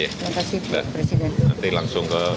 terima kasih bapak nanti langsung ke